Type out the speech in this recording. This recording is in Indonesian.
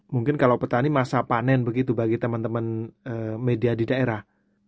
mungkin kalau petani masa panen begitu bagi teman teman media di daerah